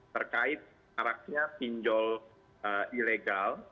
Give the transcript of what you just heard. terkait arahnya pinjol ilegal